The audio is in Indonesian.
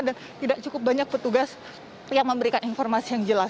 dan tidak cukup banyak petugas yang memberikan informasi yang jelas